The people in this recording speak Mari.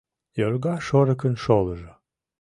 Йорга шорыкын шолыжо